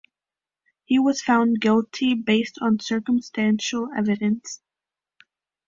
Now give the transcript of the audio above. He was found guilty based on circumstantial evidence.